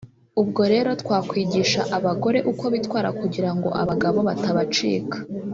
ubwo rero twakwigisha abagore uko bitwara kugira ngo abagabo batabacika